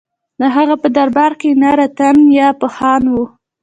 د هغه په دربار کې نهه رتن یا پوهان وو.